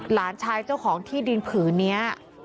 หลานชายเจ้าของที่ดินผืนนี้